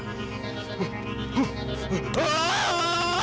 jangan buat dia membalik